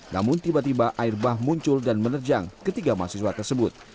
namun tiba tiba air bah muncul dan menerjang ketiga mahasiswa tersebut